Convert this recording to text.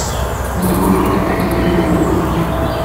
No tuvo fuertes taquillas en Europa.